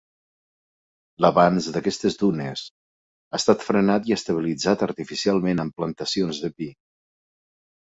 L'avanç d'aquestes dunes, ha estat frenat i estabilitzat artificialment amb plantacions de pi.